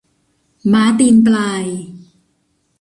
ม้าตีนปลาย